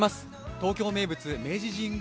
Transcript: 東京名物・明治神宮